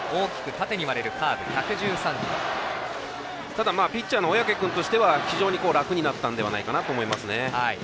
ただ、ピッチャーの小宅君としては非常に楽になったのではないかなと思いますね。